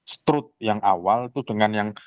strode yang awal itu dengan yang